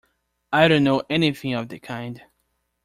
I don't know anything of the kind.